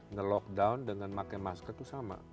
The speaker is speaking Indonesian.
nge lockdown dengan pakai masker itu sama